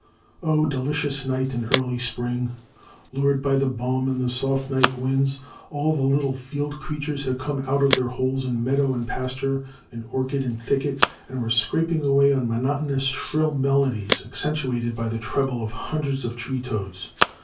O delicious night in early Spring ! Lured by the balm in the soft night winds, all the little field creatures had come «ut of their holes in meadow and pasture, in orchard and thicket, and were scraping away on monotonous shrill melodies, ac centuated by the treble of hundreds of tree toads.